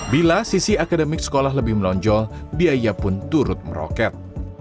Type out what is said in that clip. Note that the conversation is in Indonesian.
bila sisi akademik sekolah lebih melonjol biaya pun turut meroket